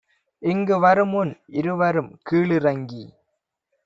இங்கு வருமுன் இருவரும் கீழிறங்கி